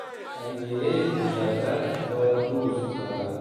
پنجره مشبک را دوست دارم